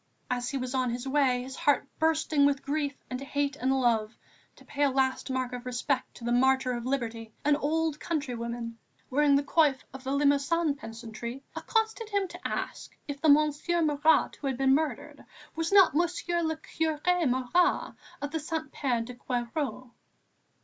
As he was on his way, his heart bursting with grief and hate and love, to pay a last mark of respect to the martyr of liberty, an old countrywoman, wearing the coif of the Limousin peasantry, accosted him to ask if the Monsieur Marat who had been murdered was not Monsieur le Curé Mara, of Saint Pierre de Queyroix.